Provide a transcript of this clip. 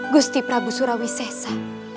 gusti prabu surawi sesa